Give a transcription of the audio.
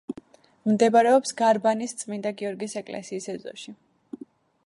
მდებარეობს გარბანის წმინდა გიორგის ეკლესიის ეზოში.